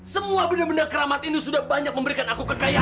semua benda benda keramat ini sudah banyak memberikan aku kekayaan